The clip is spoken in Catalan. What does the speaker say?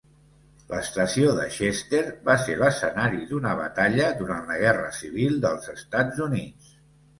L'estació de Chester va ser l'escenari d'una batalla durant la Guerra Civil dels Estats Units.